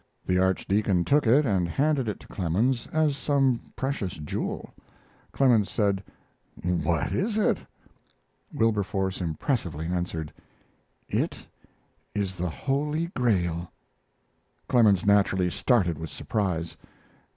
The archdeacon took it and handed it to Clemens as some precious jewel. Clemens said: "What is it?" Wilberforce impressively answered: "It is the Holy Grail." Clemens naturally started with surprise.